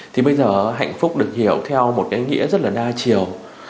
thì bây giờ hạnh phúc được hiểu theo một cái nghĩa rất là đa chiều